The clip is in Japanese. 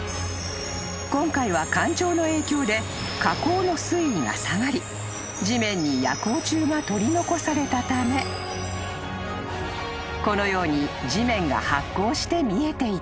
［今回は干潮の影響で河口の水位が下がり地面に夜光虫が取り残されたためこのように地面が発光して見えていた］